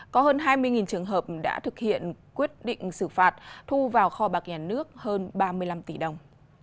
có hơn hai mươi trường hợp đã thực hiện quyết định xử phạt thu vào kho bạc nhà nước hơn ba mươi năm tỷ đồng